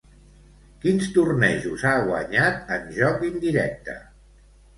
Quins tornejos ha guanyat en joc indirecte?